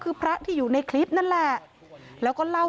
เป็นพระรูปนี้เหมือนเคี้ยวเหมือนกำลังทำปากขมิบท่องกระถาอะไรสักอย่าง